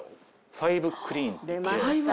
ファイブクリーン？